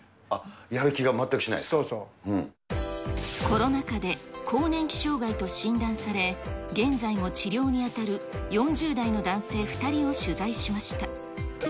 コロナ禍で更年期障害と診断され、現在も治療に当たる４０代の男性２人を取材しました。